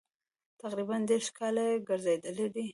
تقریبا دېرش کاله یې ګرځېدلي دي.